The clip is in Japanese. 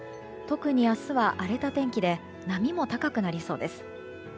特に明日は荒れた天気で波も高くなりそうです。